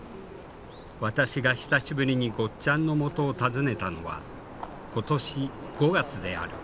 私が久しぶりにゴッちゃんのもとを訪ねたのは今年５月である。